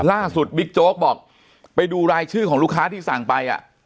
บิ๊กโจ๊กบอกไปดูรายชื่อของลูกค้าที่สั่งไปอ่ะ